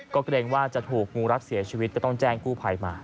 ก็เกรงว่าจะถูกงูรัดเสียชีวิตก็ต้องแจ้งกู้ภัยมา